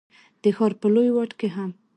د ښار په لوی واټ کي هم،